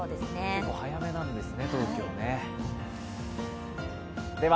結構早めなんですね、今季は。